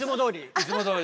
いつもどおり。